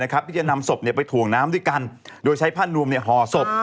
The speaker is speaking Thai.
ที่จะนำศพไปถ่วงน้ำด้วยกันโดยใช้ผ้านวมห่อศพ